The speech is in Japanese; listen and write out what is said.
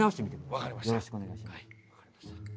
わかりました。